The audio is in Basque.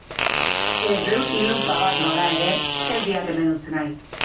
Ezdeus ilupa bat bada ere, ez diat hemen utzi nahi.